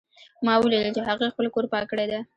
ما ولیدل چې هغې خپل کور پاک کړی ده